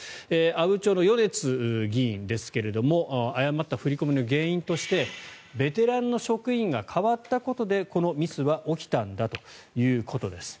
阿武町の米津議員ですが誤った振り込みの原因としてベテランの職員が代わったのでこのミスは起きたんだということです。